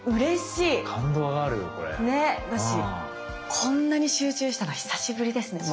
こんなに集中したの久しぶりですでも。